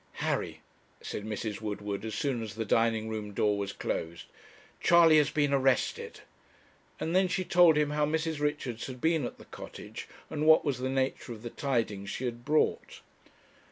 'Harry,' said Mrs. Woodward, as soon as the dining room door was closed, 'Charley has been arrested;' and then she told him how Mrs. Richards had been at the Cottage, and what was the nature of the tidings she had brought.